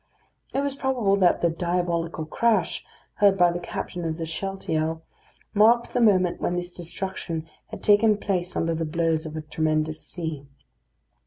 It was probable that the "diabolical crash" heard by the captain of the Shealtiel marked the moment when this destruction had taken place under the blows of a tremendous sea.